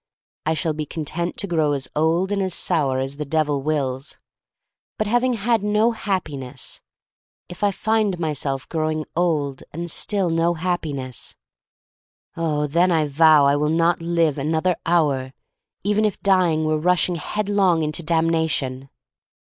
I shall be con tent to grow as old and as sour as the Devil wills. But having had no Hap piness — if I find myself growing old and no THE STORY OF MARY MAC LANE Still no Happiness — oh, then I vow I will not live another hour, even if dying were rushing headlong to damnation!